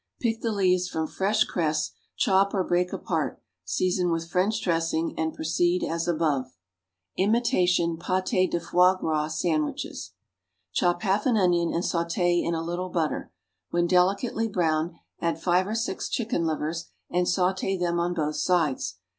= Pick the leaves from fresh cress, chop or break apart, season with French dressing, and proceed as above. =Imitation Pâté de Foie Gras Sandwiches.= Chop half an onion and sauté in a little butter; when delicately browned, add five or six chicken livers and sauté them on both sides.